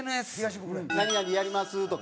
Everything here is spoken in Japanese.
蛍原：「何々やります」とか？